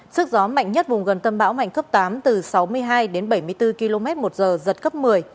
sức gió mạnh nhất vùng gần tâm bão mạnh cấp tám từ sáu mươi hai đến bảy mươi bốn km một giờ giật cấp một mươi